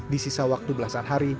di sisa waktu belasan hari